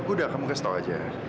udah kamu kasih tau aja